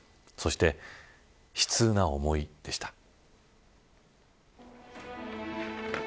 そして、悲痛な思いでした。